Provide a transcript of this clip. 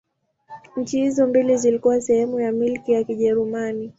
Nchi hizo mbili zilikuwa sehemu ya Milki ya Kijerumani.